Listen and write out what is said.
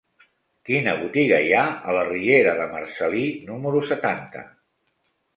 Quina botiga hi ha a la riera de Marcel·lí número setanta?